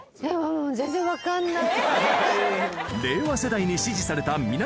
全然分かんない。